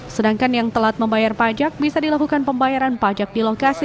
sedangkan yang telat membayar pajak bisa dilakukan pembayaran pajak di lokasi